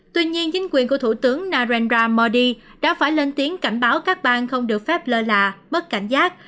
tuy nhiên chính quyền của thủ tướng narendra modi đã phải lên tiếng cảnh báo các bang không được phép lơ là bất cảnh giác